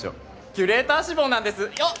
キュレーター志望なんですよっ！